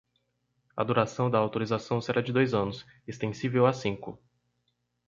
A duração da autorização será de dois anos, extensível a cinco.